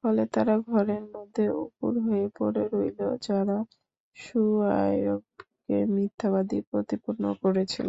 ফলে তারা ঘরের মধ্যে উপুড় হয়ে পড়ে রইল, যারা শুআয়বকে মিথ্যাবাদী প্রতিপন্ন করেছিল।